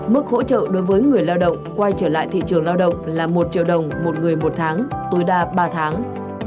mức hỗ trợ đối với người lao động quay trở lại thị trường lao động là một triệu đồng một người một tháng tối đa ba tháng